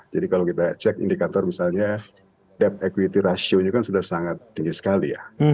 jadi kalau kita cek indikator misalnya debt equity ratio nya kan sudah sangat tinggi sekali ya